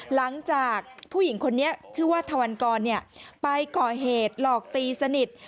หลังจากผู้หญิงคนนี้ชื่อว่าทวันกรไปก่อเหตุหลอกตีสนิท